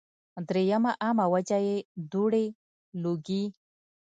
دريمه عامه وجه ئې دوړې ، لوګي